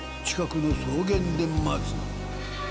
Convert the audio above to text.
近くの草原で待つ。